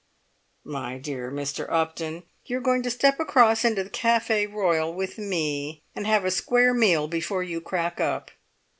"My dear Mr. Upton, you're going to step across into the Café Royal with me, and have a square meal before you crack up!"